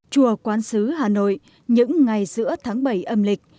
chùa quán sứ hà nội những ngày giữa tháng bảy âm lịch